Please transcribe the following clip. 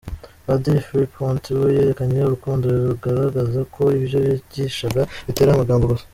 Padiri Fraipont we yerekanye urukundo rugaragaza ko ibyo yigishaga bitari amagambo gusa.